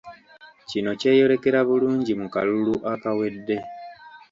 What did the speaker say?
Kino kyeyolekera bulungi mu kalulu akawedde